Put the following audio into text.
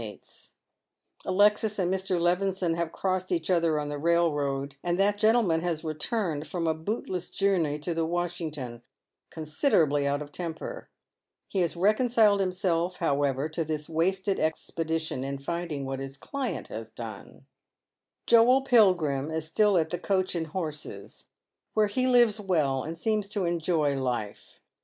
SG8 Dead Men's Shoes. Alexis and Mr. Levison have crossed each other on the railroad, and that gentleman has returned from a bootless journey to the " Washington," considerably out of temper. He has reconciled himself, however, to this wasted expedition in finding what his client has done. Joel Pilgrim is still at the " Coach and Horses," where he lives well, and seems to enjoy life.